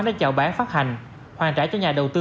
để chào bán phát hành hoàn trả cho nhà đầu tư